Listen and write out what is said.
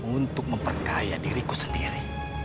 untuk memperkaya diriku sendiri